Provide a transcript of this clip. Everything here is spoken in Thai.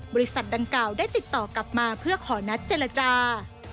บริษัทดังกล่าวได้ติดต่อกลับมาเพื่อขอนัดเจรจา